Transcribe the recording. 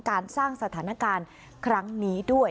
การสร้างสถานการณ์ครั้งนี้ด้วย